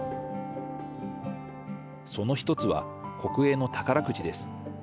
そのひとつは、国営の宝くじです。